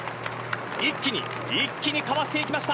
一気に、一気にかわしていきました。